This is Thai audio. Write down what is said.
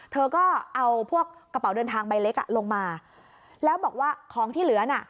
เธอก็เอาพวกกระเป๋าเดินทางใบเล็กอ่ะลงมาแล้วบอกว่าของที่เหลือน่ะ